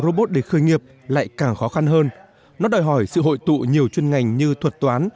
robot để khởi nghiệp lại càng khó khăn hơn nó đòi hỏi sự hội tụ nhiều chuyên ngành như thuật toán